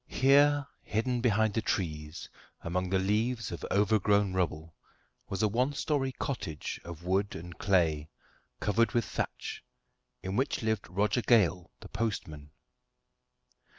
Here, hidden behind the trees, among the leaves of overgrown rubble, was a one story cottage of wood and clay, covered with thatch, in which lived Roger Gale, the postman.